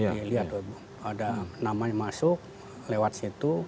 dilihat ada namanya masuk lewat situ